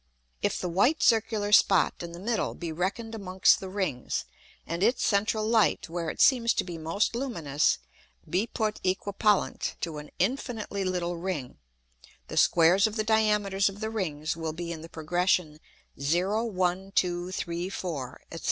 If the white circular Spot in the middle be reckon'd amongst the Rings, and its central Light, where it seems to be most luminous, be put equipollent to an infinitely little Ring; the Squares of the Diameters of the Rings will be in the progression 0, 1, 2, 3, 4, &c.